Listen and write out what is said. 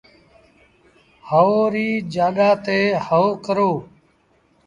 هئو ريٚ جآڳآ تي هئو ڪرو۔